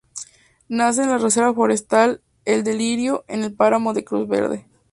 Nace en la reserva forestal El Delirio en el páramo de Cruz Verde.